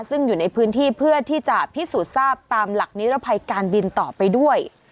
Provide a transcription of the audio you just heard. ซึ่งอยู่ในพื้นที่เพื่อที่จะพิสูจน์ทราบตามหลักนิรภัยการบินต่อไปด้วย